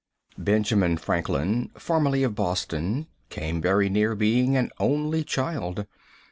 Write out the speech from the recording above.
Benjamin Franklin, formerly of Boston, came very near being an only child.